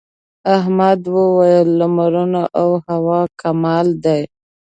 احمد وويل: لمرونه او هوا کمال دي.